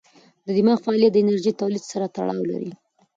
د دماغ فعالیت د انرژۍ تولید سره تړاو لري.